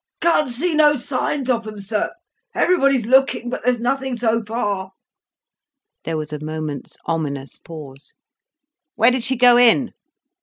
"Can't see no signs of them, sir. Everybody's looking, but there's nothing so far." There was a moment's ominous pause. "Where did she go in?"